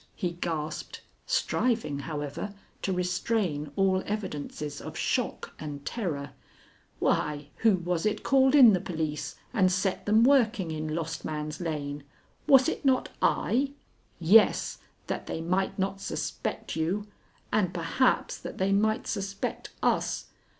he gasped, striving, however, to restrain all evidences of shock and terror. "Why, who was it called in the police and set them working in Lost Man's Lane? Was it not I " "Yes, that they might not suspect you, and perhaps that they might suspect us.